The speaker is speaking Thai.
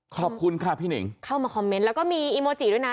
ขอบคุณค่ะพี่หนิงเข้ามาคอมเมนต์แล้วก็มีอีโมจิด้วยนะ